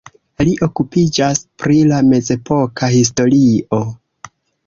Li okupiĝas pri la mezepoka historio.